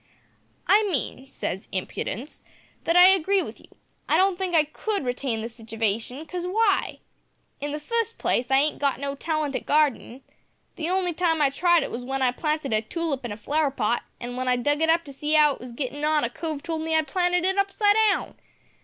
"`I mean,' says Impudence, `that I agree with you. I don't think I could retain the sitivation, cause w'y? In the fust place, I ain't got no talent at gardenin'. The on'y time I tried it was w'en I planted a toolip in a flower pot, an' w'en I dug it up to see 'ow it was a gittin on a cove told me I'd planted it upside down.